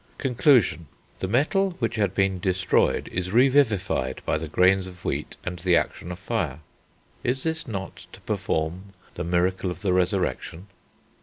Conclusion. The metal which had been destroyed is revivified by the grains of wheat and the action of fire. Is this not to perform the miracle of the resurrection?